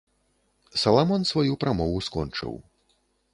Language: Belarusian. Саламон сваю прамову скончыў.